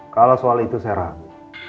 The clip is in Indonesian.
kalau soal itu saya ragu